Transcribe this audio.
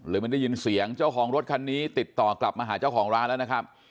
ไม่ได้ยินเสียงเจ้าของรถคันนี้ติดต่อกลับมาหาเจ้าของร้านแล้วนะครับ